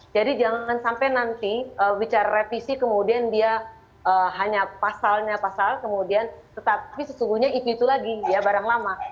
jadi jangan sampai nanti bicara revisi kemudian dia hanya pasalnya pasal kemudian tetapi sesungguhnya itu itu lagi ya barang lama